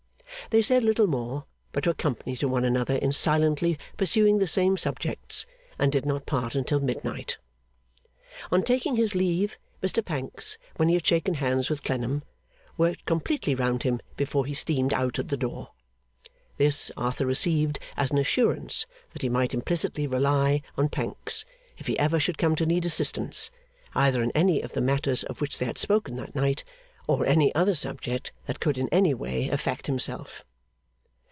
They said little more; but were company to one another in silently pursuing the same subjects, and did not part until midnight. On taking his leave, Mr Pancks, when he had shaken hands with Clennam, worked completely round him before he steamed out at the door. This, Arthur received as an assurance that he might implicitly rely on Pancks, if he ever should come to need assistance; either in any of the matters of which they had spoken that night, or any other subject that could in any way affect himself.